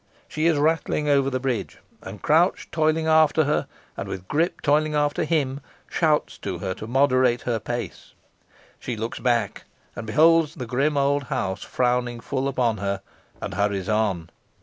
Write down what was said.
She is rattling over the bridge, and Crouch, toiling after her, and with Grip toiling after him, shouts to her to moderate her pace. She looks back, and beholds the grim old house frowning full upon her, and hurries on.